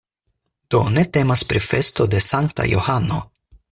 Do ne temas pri festo de Sankta Johano.